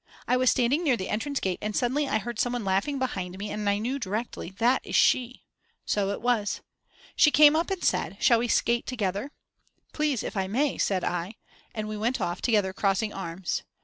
I was standing near the entrance gate and suddenly I heard some one laughing behind me and I knew directly: That is she! So it was. She came up and said: Shall we skate together? Please, if I may, said I, and we went off together crossing arms.